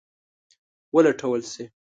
ولټول شي.